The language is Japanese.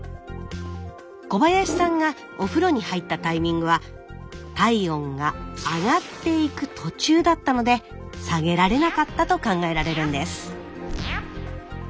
小林さんがお風呂に入ったタイミングは体温が上がっていく途中だったので下げられなかったと考えられるんです。